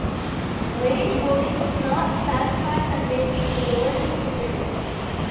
Range voting does not satisfy the Majority criterion.